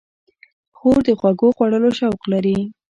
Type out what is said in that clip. خور د خوږو خوړلو شوق لري.